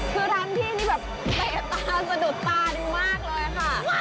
คือร้านพี่นี่แบบเตะตาสะดุดตาดีมากเลยค่ะ